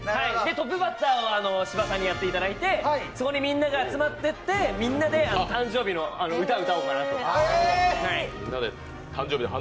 トップバッターを芝さんにやっていただいて、そこにみんなが集まっていってくりかえす疲れ目でお困りのあなたに！